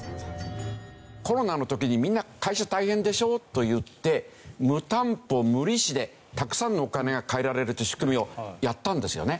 コロナの時にみんな会社大変でしょといって無担保無利子でたくさんのお金が借りられるっていう仕組みをやったんですよね。